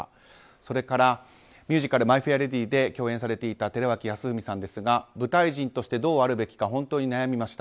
それから、ミュージカル「マイ・フェア・レディ」で共演されていた寺脇康文さんですが舞台人としてどうあるべきか本当に悩みました。